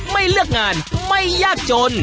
ไม่เลือกงานไม่ยากจน